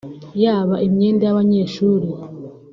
yaba imyenda y’abanyeshuri